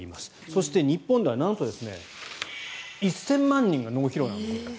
そして、日本ではなんと１０００万人が脳疲労なんです。